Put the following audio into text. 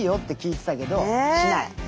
しない。